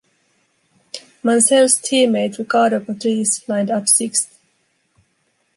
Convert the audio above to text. Mansell's teammate Riccardo Patrese lined up sixth.